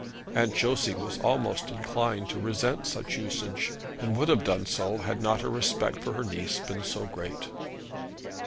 Aunt Josey was almost inclined to resent such usage, and would have done so, had not her respect for her niece been so great.